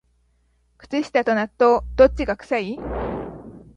靴下と納豆、どっちが臭い？